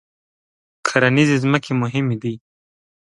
کرنیزې ځمکې مهمې دي.